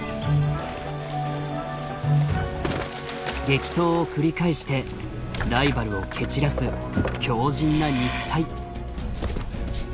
激闘を繰り返してライバルを蹴散らす強じんな肉体。